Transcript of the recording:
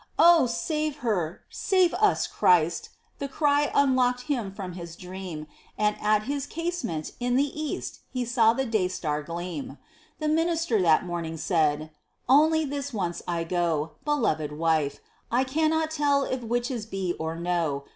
"Oh, save her! save us, Christ!" the cry unlocked him from his dream, And at his casement in the east he saw the day star gleam. The minister that morning said, "Only this once I go, Beloved wife; I cannot tell if witches be or no.